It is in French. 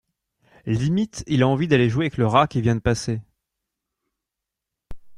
Limite il a envie d’aller jouer avec le rat qui vient de passer.